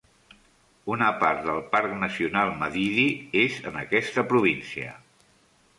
Una part del Parc Nacional Madidi és en aquesta província.